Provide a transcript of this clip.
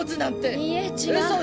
いいえ違う。